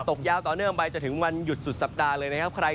ตกยาวต่อเนื่องไป